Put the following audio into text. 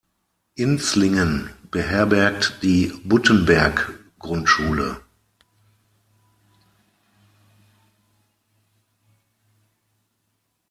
Inzlingen beherbergt die "Buttenberg"-Grundschule.